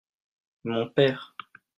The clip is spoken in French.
mont père.